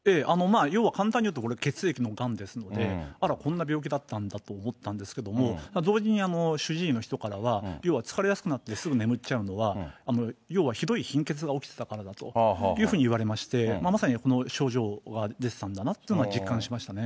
要は簡単に言うと、これ、血液のがんですので、あら、こんな病気だったんだと思ったんですけども、同時に主治医の人からは、要は疲れやすくなってすぐ眠っちゃうのは、要はひどい貧血が起きてたからだというふうに言われまして、まさにこの症状が出てたんだなというのは実感しましたね。